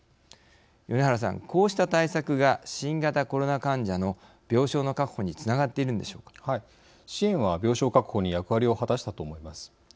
米原さん、こうした対策が新型コロナ患者の病床の確保に支援は病床確保に役割を果たしたと思います。